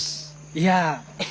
いや。